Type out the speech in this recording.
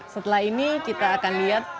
setelah ini kita akan lihat